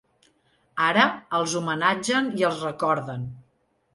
Ara, els homenatgen i els recorden.